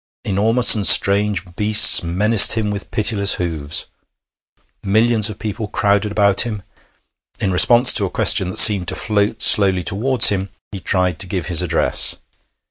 Enormous and strange beasts menaced him with pitiless hoofs. Millions of people crowded about him. In response to a question that seemed to float slowly towards him, he tried to give his address.